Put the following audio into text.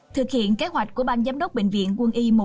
thực hiện kế hoạch của ban giám đốc bệnh viện quân y